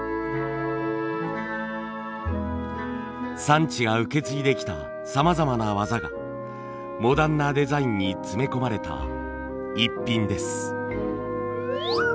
産地が受け継いできたさまざまな技がモダンなデザインに詰め込まれたイッピンです。